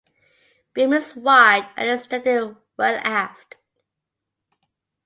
Beam is wide and is extended well aft.